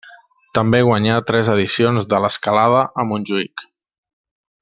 També guanyà tres edicions de l'Escalada a Montjuïc.